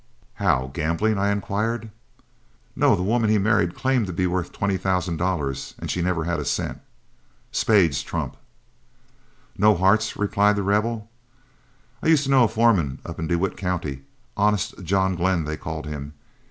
"How, gambling?" I inquired. "No. The woman he married claimed to be worth twenty thousand dollars and she never had a cent. Spades trump?" "No; hearts," replied The Rebel. "I used to know a foreman up in DeWitt County, 'Honest' John Glen they called him.